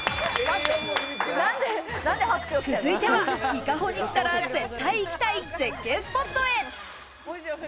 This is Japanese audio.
続いては伊香保に来たら絶対行きたい絶景スポットへ。